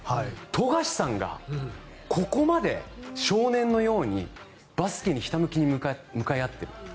富樫さんがここまで少年のようにバスケにひたむきに向かい合っている。